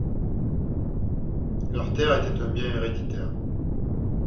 Leur terre était un bien héréditaire.